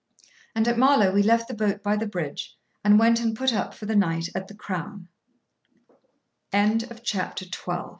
And at Marlow we left the boat by the bridge, and went and put up for the night at the "Crown." [Picture: The boat] C